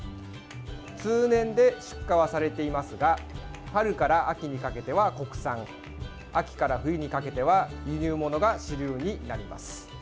通年で出荷はされていますが春から秋にかけては国産秋から冬にかけては輸入物が主流になります。